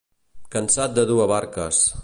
Cansat de dur avarques.